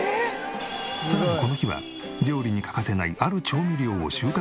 さらにこの日は料理に欠かせないある調味料を収穫しに行くという。